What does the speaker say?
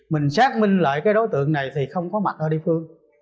mình xác minh lại cái đối tượng này thì không có mặt ở địa phương